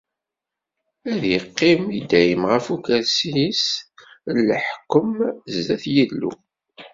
Ad iqqim i dayem ɣef ukersi-s n leḥkwem, sdat Yillu.